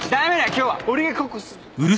今日は俺がここあっ。